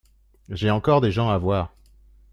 J'ai encore des gens à voir.